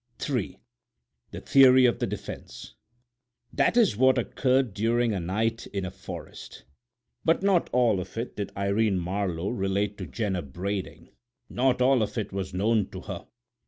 III THE THEORY OF THE DEFENSE That is what occurred during a night in a forest, but not all of it did Irene Marlowe relate to Jenner Brading; not all of it was known to her.